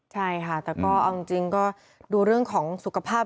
ใช่ค่ะแต่ก็เอาจริงก็ดูเรื่องของสุขภาพ